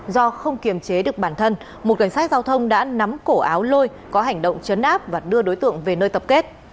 do không kiềm chế được bản thân một cảnh sát giao thông đã nắm cổ áo lôi có hành động chấn áp và đưa đối tượng về nơi tập kết